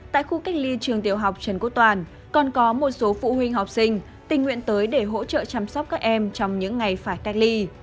tại khu cách ly trường tiểu học trần quốc toàn còn có một số phụ huynh học sinh tình nguyện tới để hỗ trợ chăm sóc các em trong những ngày phải cách ly